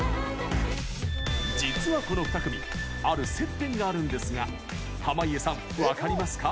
実は、この２組ある接点があるんですが濱家さん、分かりますか？